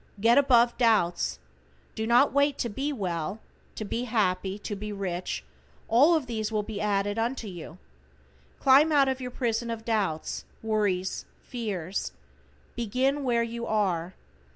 Get above doubts. Do not wait to be well, to be happy, to be rich, all of these will be added unto you. Climb out of your prison of doubts, worries, fears. Begin where you are.